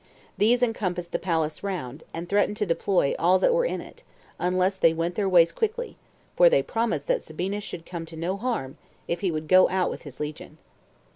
These encompassed the palace round, and threatened to deploy all that were in it, unless they went their ways quickly; for they promised that Sabinus should come to no harm, if he would go out with his legion.